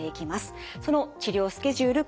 その治療スケジュール